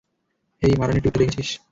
হেই, মারানের টুইটটা দেখেছিস?